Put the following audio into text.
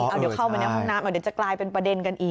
เอาเดี๋ยวเข้าไปในห้องน้ำเดี๋ยวจะกลายเป็นประเด็นกันอีก